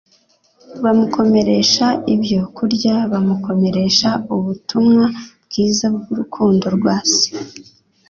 Bamukomeresha ibyo kurya, bamukomeresha ubutumwa bwiza bw'urukundo rwa Se.